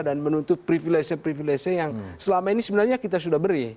dan menuntut privilese privilese yang selama ini sebenarnya kita sudah beri